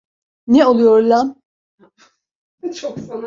Ne oluyor lan?